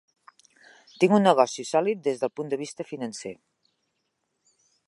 Tinc un negoci sòlid des del punt de vista financer.